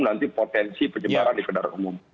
nanti potensi penyebaran di kendaraan umum